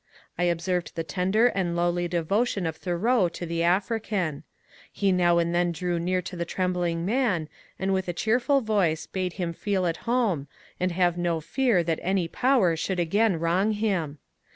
I observed the tender and lowly devotion of Tboreau to the African. He now and then drew near to the trembling man, and with a cheerful voice bade him feel at home, and have no fear that any power should again wrong him.